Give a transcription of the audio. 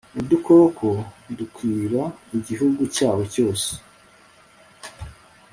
udukoko dutwikira igihugu cyabo cyose